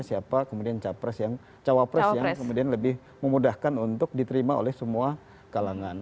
siapa kemudian capres yang kemudian lebih memudahkan untuk diterima oleh semua kalangan